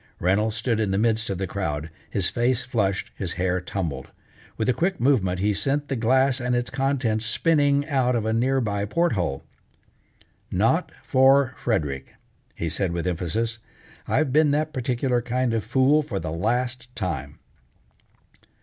Reynolds stood in the midst of the crowd, his face flushed, his hair tumbled. With a quick movement he sent the glass and its contents spinning out of a near by port hole. "Not for Frederick!" he said with emphasis, "I've been that particular kind of a fool for the last time."